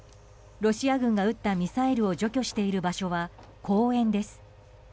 ロシア軍が撃ったミサイルを除去している場所は公園です。